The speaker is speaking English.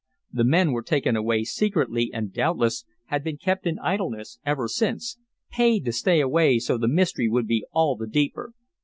The men were taken away secretly, and, doubtless, have been kept in idleness ever since paid to stay away so the mystery would be all the deeper.